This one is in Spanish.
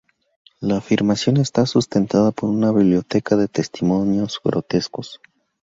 La afirmación está sustentada por una biblioteca de testimonios grotescos.